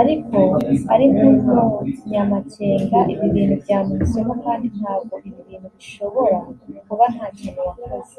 Ariko ari nk’umunyamacyenga ibi bintu byamuha isomo kandi ntago ibi bintu bishobora kuba ntakintu wakoze